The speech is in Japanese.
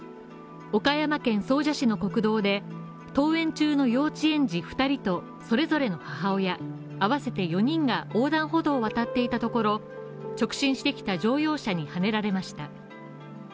岡山県総社市の国道で登園中の幼稚園児２人とそれぞれの母親合わせて４人が横断歩道を渡っていたところ、直進してきた乗用車にはねられました。